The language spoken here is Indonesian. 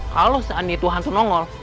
kalau saat itu hantu nongol